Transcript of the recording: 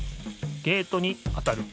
ゲートに当たる。